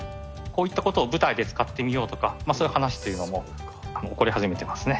こういったことを舞台で使ってみようとか、そういう話というのも起こり始めてますね。